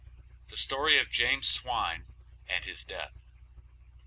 THE STORY OF JAMES SWINE AND HIS DEATH.